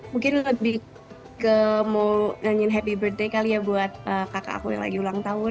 mungkin lebih ke mau nyanyiin happy bird day kali ya buat kakak aku yang lagi ulang tahun